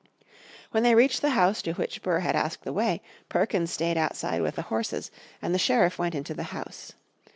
When they reached the house to which Burr had asked the way, Perkins stayed outside with the horses, and the sheriff went into the house.